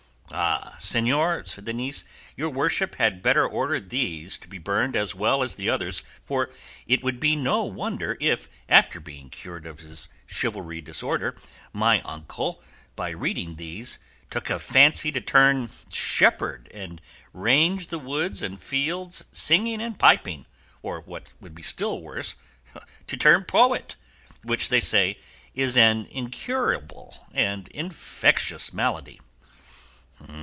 "Ah, señor!" said the niece, "your worship had better order these to be burned as well as the others; for it would be no wonder if, after being cured of his chivalry disorder, my uncle, by reading these, took a fancy to turn shepherd and range the woods and fields singing and piping; or, what would be still worse, to turn poet, which they say is an incurable and infectious malady."